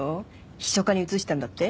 秘書課に移したんだって？